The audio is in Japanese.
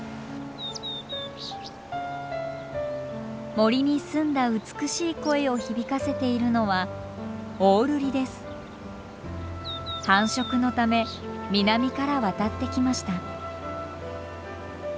森に澄んだ美しい声を響かせているのは繁殖のため南から渡ってきました。